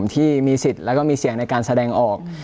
ที่มีสิทธิ์แล้วก็มีเสียงในการแสดงออก